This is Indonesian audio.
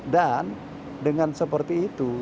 dan dengan seperti itu